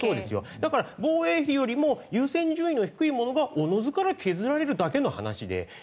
だから防衛費よりも優先順位の低いものがおのずから削られるだけの話で。